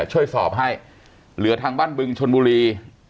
ช่วยสอบให้เหลือทางบ้านบึงชนบุรี